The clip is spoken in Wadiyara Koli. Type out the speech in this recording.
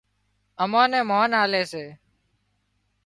امان نين مانَ آلي سي